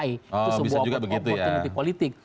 itu sebuah kemungkinan politik